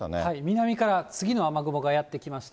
南から次の雨雲がやって来ました。